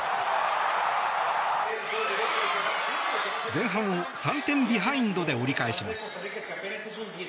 前半を３点ビハインドで折り返します。